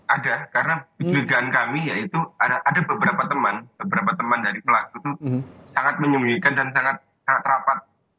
ada karena dugaan kami yaitu ada beberapa teman beberapa teman dari pelaku itu sangat menyembunyikan dan sangat rapat